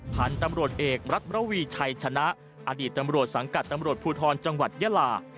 พันธุ์ตำรวจเอกรัฐมรวีชัยชนะอดีตตำรวจสังกัดตำรวจภูทรจังหวัดยาลา